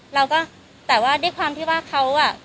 เราก็แต่ว่าด้วยความที่ว่าเขาอ่ะ